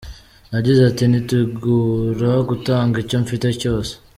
Yagize ati”Nitegura gutanga icyo mfite cyose.